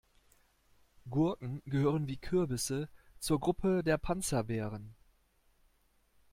Gurken gehören wie Kürbisse zur Gruppe der Panzerbeeren.